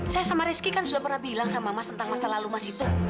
saya sama rizky kan sudah pernah bilang sama mas tentang masa lalu mas itu